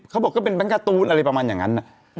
เขาบอกก็เป็นแบงค์การ์ตูนอะไรประมาณอย่างนั้น